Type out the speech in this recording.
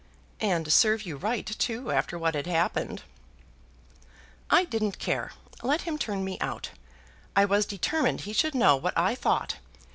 "And serve you right too after what had happened." "I didn't care. Let him turn me out. I was determined he should know what I thought.